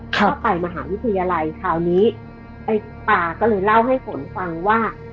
ก็ไปมหาวิทยาลัยคราวนี้ไอ้ป่าก็เลยเล่าให้ฝนฟังว่า